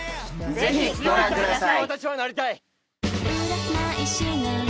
ぜひご覧ください。